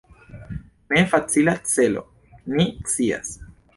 Ne facila celo, ni scias.